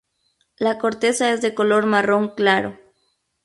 La corteza es de color marrón claro.